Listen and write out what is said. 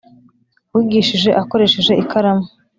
wigishije akoresheje ikaramu,